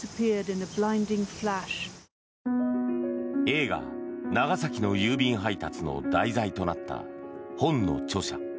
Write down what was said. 映画「長崎の郵便配達」の題材となった本の著者